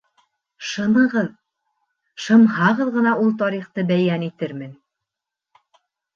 Шымығыҙ, шымһағыҙ ғына ул тарихты бәйән итермен.